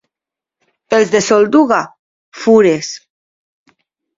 Els de Solduga, fures.